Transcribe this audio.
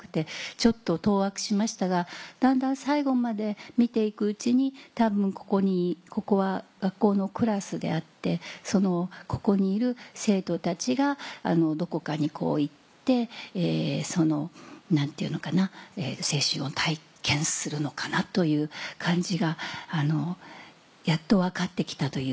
ちょっと当惑しましたが段々最後まで見て行くうちに多分ここは学校のクラスであってここにいる生徒たちがどこかに行ってその何ていうのかな青春を体験するのかなという感じがやっと分かって来たという感じ。